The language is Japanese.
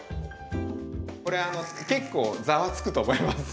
これあの結構ザワつくと思います。